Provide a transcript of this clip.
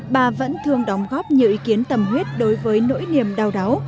bà vẫn thường đóng góp nhiều ý kiến tầm huyết đối với nỗi niềm đau đáu